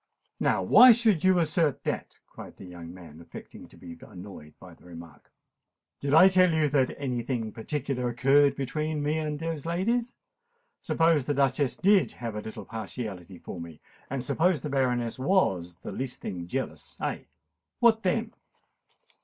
"Now why should you assert that?" cried the young man, affecting to be annoyed by the remark. "Did I tell you that any thing particular occurred between me and those ladies? Suppose the Duchess did have a little partiality for me—and suppose the Baroness was the least thing jealous—eh? What then?"